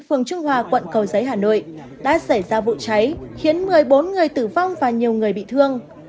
phường trung hòa quận cầu giấy hà nội đã xảy ra vụ cháy khiến một mươi bốn người tử vong và nhiều người bị thương